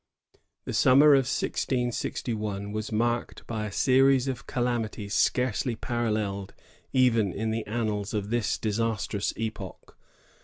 The summer of 1661 was marked by a series of calamities scarcely paralleled even in the annals of ttus disastrous epoch.